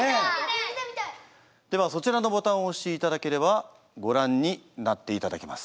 ではそちらのボタンを押していただければご覧になっていただけます。